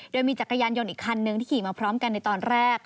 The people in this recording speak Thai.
โดยมีจักรยานยนต์อีกคันนึงที่ขี่มาพร้อมกันในตอนแรก